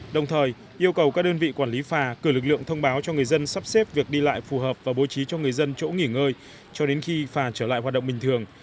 đồng thời yêu cầu các đơn vị quản lý phà cử lực lượng thông báo cho người dân sắp xếp việc đi lại phù hợp và bố trí cho người dân chỗ nghỉ ngơi cho đến khi phà trở lại hoạt động bình thường